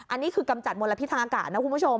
อันนี้คือกำจัดมลพิษทางอากาศนะคุณผู้ชม